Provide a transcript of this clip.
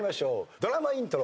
ドラマイントロ。